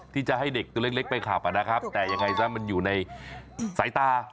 ที่จะให้เด็กตัวเล็กไปขับนะครับแต่ยังไงซะมันอยู่ในสายตา